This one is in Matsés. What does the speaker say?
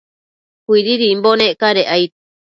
Cuididimbo nec cadec aid